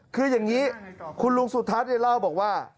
คืออย่างนี้คุณลุงสุทัศน์เล่าบอกว่า